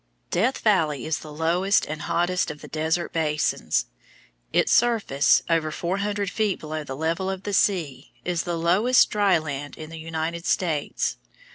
Death Valley is the lowest and hottest of the desert basins. Its surface, over four hundred feet below the level of the sea, is the lowest dry land in the United States.